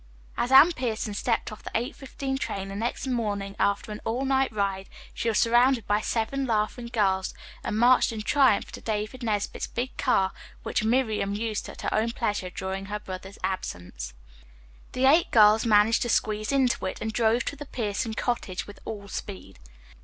As Anne Pierson stepped off the 8.15 train the next morning after an all night ride, she was surrounded by seven laughing girls and marched in triumph to David Nesbit's big car, which Miriam used at her own pleasure during her brother's absence. The eight girls managed to squeeze into it, and drove to the Pierson cottage with all speed.